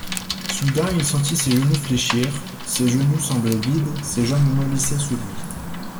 Soudain, il sentit ses genoux fléchir : ses genoux semblaient vides, ses jambes mollissaient sous lui.